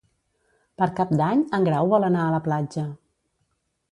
Per Cap d'Any en Grau vol anar a la platja.